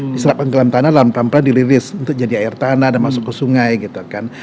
diserap ke dalam tanah dan lantai lantai diliris untuk jadi air tanah dan masuk ke sungai gitu kan